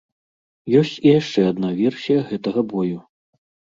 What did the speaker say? Ёсць і яшчэ адна версія гэтага бою.